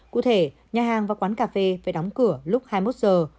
cụ thể nhà hàng và quán cà phê phải đóng cửa lúc hai mươi một giờ